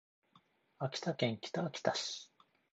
秋田県北秋田市